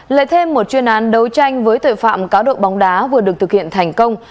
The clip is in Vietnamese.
lại thêm một chuyên án đấu tranh với tội phạm cá độ bóng đá vừa được thực hiện thành công